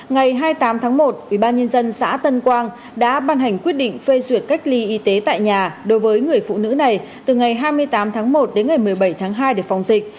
ngày hai mươi tám tháng một ubnd xã tân quang đã ban hành quyết định phê duyệt cách ly y tế tại nhà đối với người phụ nữ này từ ngày hai mươi tám tháng một đến ngày một mươi bảy tháng hai để phòng dịch